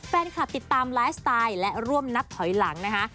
ติดตามไลฟ์สไตล์และร่วมนับถอยหลังนะคะ